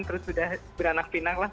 terus sudah beranak pinang lah